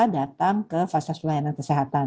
datang ke fasilitas pelayanan kesehatan